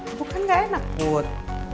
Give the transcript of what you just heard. ibu kan ga enak put